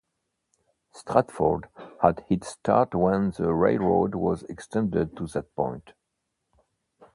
Stratford had its start when the railroad was extended to that point.